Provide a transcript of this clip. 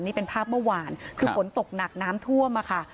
นี่เป็นภาพเมื่อวานคือฝนตกหนักน้ำท่วมค่ะ